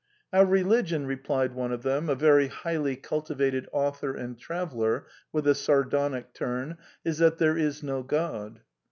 " Our religion,'* replied one of them, a very highly cultivated author and traveller with a sar donic turn, is that there is no God."